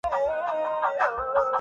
پرافشاں ہے غبار آں سوئے صحرائے عدم میرا